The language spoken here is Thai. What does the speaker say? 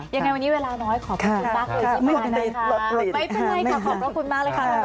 ยังไงวันนี้เวลาน้อยขอบคุณป้าขอบคุณมากเลยค่ะไม่เป็นไรค่ะขอบคุณมากเลยค่ะ